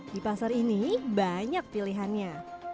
di pasar ini banyak pilihannya